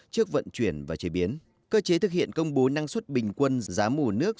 trước vận chuyển và chế biến cơ chế thực hiện công bố năng suất bình quân giá mùa nước